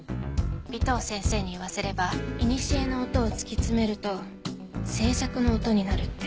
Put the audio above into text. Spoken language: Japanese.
尾藤先生に言わせればいにしえの音を突き詰めると静寂の音になるって。